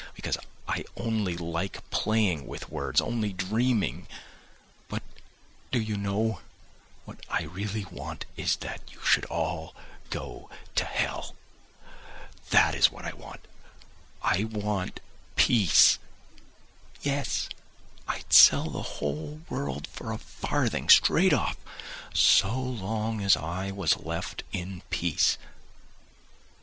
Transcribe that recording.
Because I only like playing with words, only dreaming, but, do you know, what I really want is that you should all go to hell. That is what I want. I want peace; yes, I'd sell the whole world for a farthing, straight off, so long as I was left in peace.